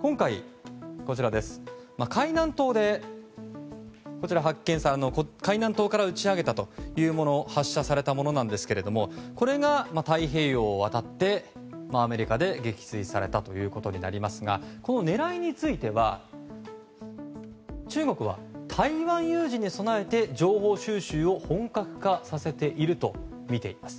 今回、海南島から打ち上げた発射されたものなんですがこれが太平洋を渡ってアメリカで撃墜されたということになりますがこの狙いについては中国は台湾有事に備えて情報収集を本格化させているとみています。